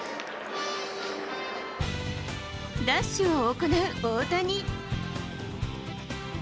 ダッシュを行う大谷。